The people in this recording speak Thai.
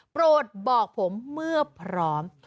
โปรดบอกผมเมื่อพร้อม